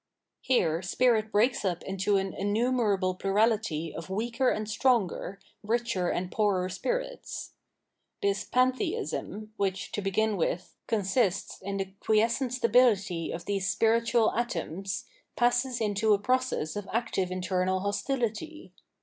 Here spirit breaks up into an innumerable plurahty of weaker and stronger, richer and poorer spirits. This Pantheism, which, to begin with, consists in the quiescent stabihty of these spiritual atoms, passes into a process of active internal hostility.